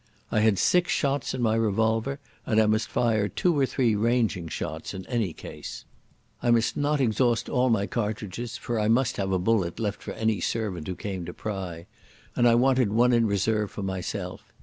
I had six shots in my revolver, and I must fire two or three ranging shots in any case. I must not exhaust all my cartridges, for I must have a bullet left for any servant who came to pry, and I wanted one in reserve for myself.